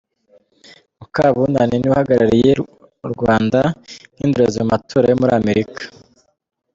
Mukabunani ni we uhagarariye u Rwanda nk’indorerezi mu matora yo muri Amerika